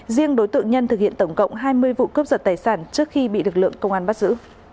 riêng đối tượng nhân thực hiện tổng cộng hai mươi vụ cướp giật tài sản trước khi bị lực lượng công an bắt giữ